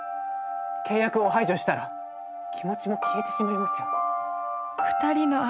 契約を排除したら気持ちも消えてしまいますよ。